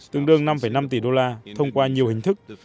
tương đương năm năm tỷ đô la thông qua nhiều hình thức